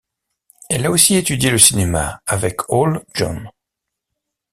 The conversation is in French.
Elle a aussi étudié le cinéma avec Ole John.